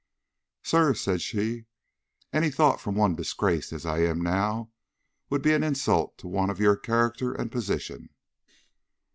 "Sir," said she, "any thought from one disgraced as I am now, would be an insult to one of your character and position."